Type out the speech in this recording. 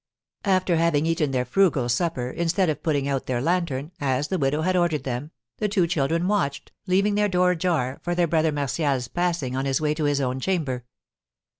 After having eaten their frugal supper, instead of putting out their lantern, as the widow had ordered them, the two children watched, leaving their door ajar, for their brother Martial's passing on his way to his own chamber.